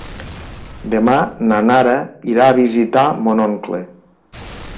Demà na Nara irà a visitar mon oncle.